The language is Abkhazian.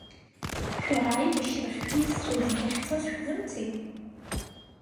Шәара аибашьрахь шәҩызцәа зегьы ахьцоз шәзымцеи?